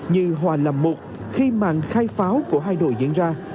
như hòa lầm một khi mạng khai pháo của hai đội diễn ra